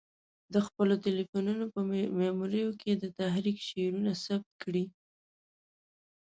د خپلو تلیفونو په میموریو کې د تحریک شعرونه ثبت کړي.